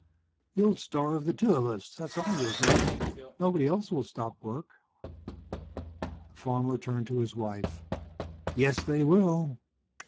"You'll starve the two of us, that's all you'll do. Nobody else will stop work." The farmer turned to his wife. "Yes, they will.